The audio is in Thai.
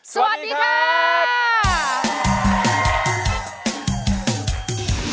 สวัสดีครับ